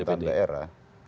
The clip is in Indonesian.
dprd merentang daerah